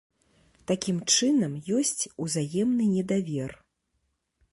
Такім чынам, ёсць узаемны недавер.